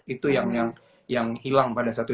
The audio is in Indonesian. itu yang hilang pada saat itu